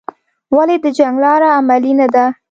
ولې د جنګ لاره عملي نه ده؟